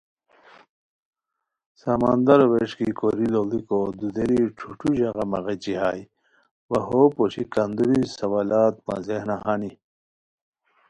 سمندرو وݰکی کوری لوڑیکو دُودیری ݯھوݯھو ژاغہ مہ غیچی ہائے وا ہو پوشی کندوری سوالات مہ ذہنہ ہانی